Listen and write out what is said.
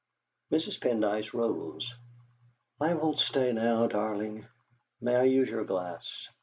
Mrs. Pendyce rose. "I won't stay now, darling. May I use your glass?"